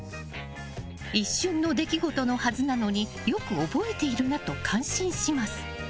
一瞬の出来事のはずなのによく覚えているなと感心します。